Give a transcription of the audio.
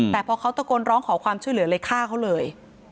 แต่พอเขาตะโกนร้องขอความช่วยเหลือเลยฆ่าเขาเลย